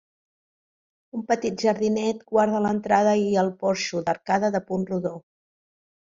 Un petit jardinet guarda l'entrada i el porxo, d'arcada de punt rodó.